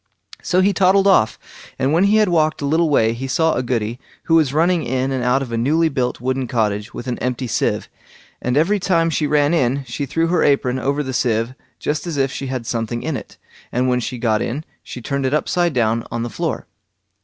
So he toddled off, and when he had walked a little way he saw a Goody, who was running in and out of a newly built wooden cottage with an empty sieve, and every time she ran in, she threw her apron over the sieve just as if she had something in it, and when she got in she turned it upside down on the floor.